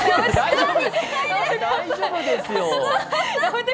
大丈夫ですよ！